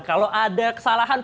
kalau ada kesalahan